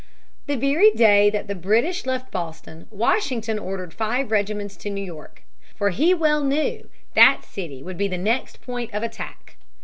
The very day that the British left Boston, Washington ordered five regiments to New York. For he well knew that city would be the next point of attack.